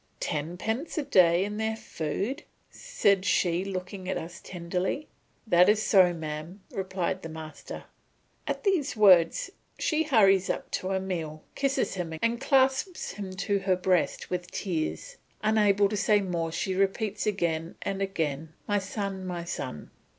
"Tenpence a day and their food," said she looking at us tenderly. "That is so, madam," replied the master. At these words she hurries up to Emile, kisses him, and clasps him to her breast with tears; unable to say more she repeats again and again, "My son, my son!"